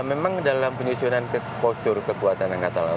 memang dalam penyusunan postur kekuatan angkatan laut